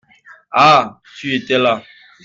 Ah ! Tu étais là ?